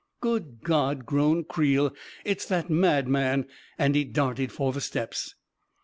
" Good God !" groaned Creel. " It's that mad man 1 " And he darted for the steps.